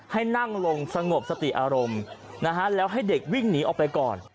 ให้นั่งลงสงบสติอารมณ์นะฮะแล้วให้เด็กวิ่งหนีออกไปก่อน